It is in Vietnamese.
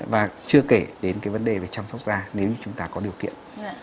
và chưa kể đến cái vấn đề về chăm sóc da nếu như chúng ta có điều kiện